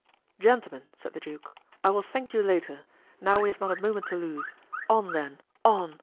"Gentlemen," said the duke, "I will thank you later; now we have not a moment to lose. On, then! on!